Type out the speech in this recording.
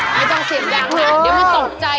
ไม่ต้องเสียงดังเลยเดี๋ยวมันตกใจ